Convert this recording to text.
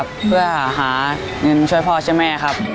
เพื่อหาเงินช่วยพ่อช่วยแม่ครับ